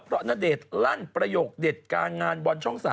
เพราะณเดชน์ลั่นประโยคเด็ดการงานบอลช่อง๓